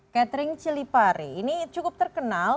catering cilipare ini cukup terkenal